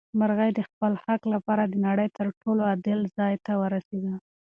مرغۍ د خپل حق لپاره د نړۍ تر ټولو عادل ځای ته ورسېده.